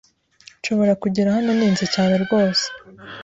Nshobora kugera hano ninze cyane rwose?